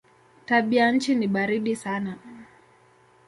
Tabianchi ni baridi sana.